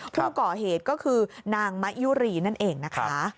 ผู้ก่อเหตุก็คือนางมะยุรีนั่นเองนะคะ